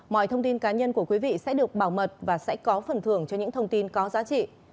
mọi thông tin cá nhân của quý vị sẽ được bảo mật và sẽ có phần thưởng cho những thông tin có giá trị